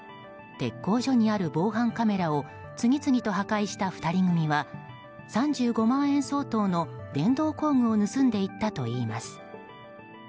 鉄工所にある防犯カメラを次々と破壊した２人組は３５万円相当の電動工具を盗んでいったといいます。